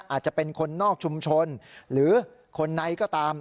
อาจจะเป็นคนนอกชุมชนหรือคนในก็ตาม